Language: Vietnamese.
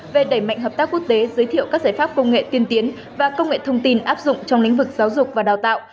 về đẩy mạnh hợp tác quốc tế giới thiệu các giải pháp công nghệ tiên tiến và công nghệ thông tin áp dụng trong lĩnh vực giáo dục và đào tạo